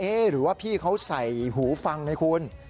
หรือว่าพี่เขาใส่หูฟังไงคุณ